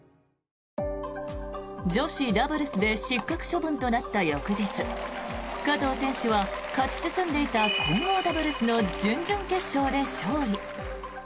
女子ダブルスで失格処分となった翌日加藤選手は勝ち進んでいた混合ダブルスの準々決勝で勝利。